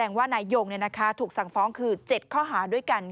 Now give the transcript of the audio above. น่ายองถูกสังฟ้อง๗ข้อหา